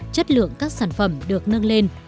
chất lượng các sản phẩm được nâng lên